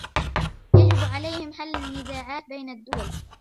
يجب عليهم حل النزاعات بين الدول.